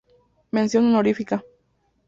Mención Honorífica.